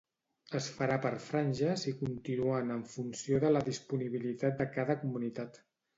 Es farà per franges i continuant en funció de la disponibilitat de cada comunitat.